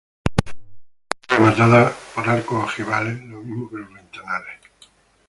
Está rematada por arcos ojivales, lo mismo que los ventanales.